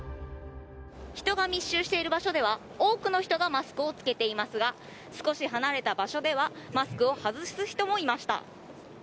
人が密集している場所では多くの人がマスクを着けていますが少し離れた場所ではマスクを外す人もいました。